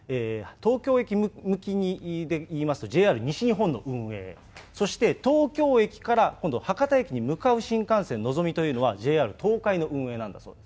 のぞみ号というのは、東京駅向きで言いますと、ＪＲ西日本の運営、そして、東京駅から今度、博多駅に向かう新幹線のぞみというのはＪＲ東海の運営なんだそう。